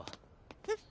えっ？